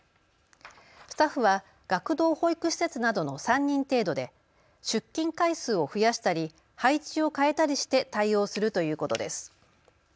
スタッフは学童保育施設などの３人程度で出勤回数を増やしたり、配置を変えたりして対応するということです。